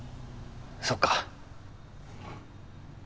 そっか。